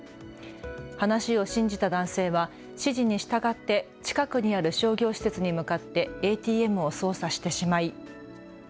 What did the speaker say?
話を信じた男性は指示に従って近くにある商業施設に向かってＡＴＭを操作してしまい。